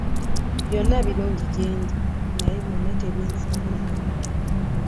Byonna birungi gyend, naye byonna tebinsaanira.